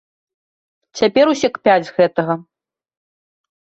Цяпер усе кпяць з гэтага.